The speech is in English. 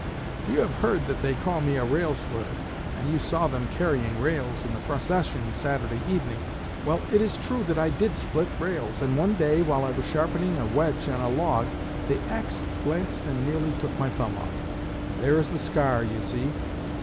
'You have heard that they call me a rail splitter, and you saw them carrying rails in the procession Saturday evening; well, it is true that I did split rails, and one day, while I was sharpening a wedge on a log, the axe glanced and nearly took my thumb off, and there is the scar, you see.'